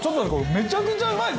めちゃくちゃうまいですね！